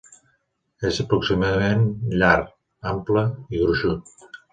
És aproximadament llar, ample i gruixut.